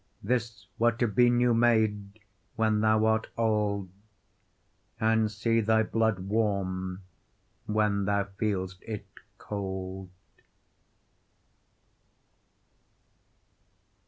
This were to be new made when thou art old, And see thy blood warm when thou feel'st it cold.